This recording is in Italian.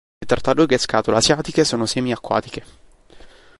Le tartarughe scatola asiatiche sono semi-acquatiche.